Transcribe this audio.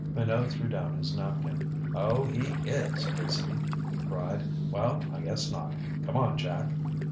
Minot threw down his napkin. "Oh, he is, is he?" he cried. "Well, I guess not. Come on, Jack."